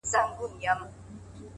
فکر د انسان لار ټاکي